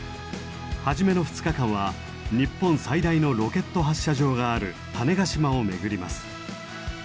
初めの２日間は日本最大のロケット発射場がある種子島を巡ります。